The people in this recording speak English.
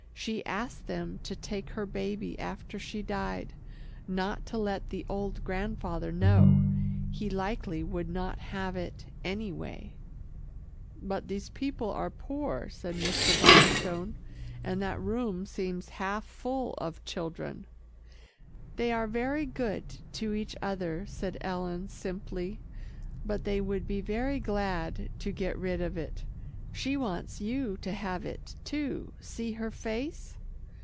She asked them to take her baby after she died, not to let the old grandfather know. He likely would not have it, anyway." "But these people are poor," said Mr. Bonstone, "and that room seems half full of children." "They are very good to each other," said Ellen simply, "but they would be very glad to get rid of it. She wants you to have it, too. See her face."